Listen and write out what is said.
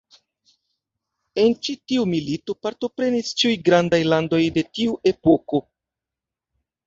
En ĉi tiu milito partoprenis ĉiuj grandaj landoj de tiu epoko.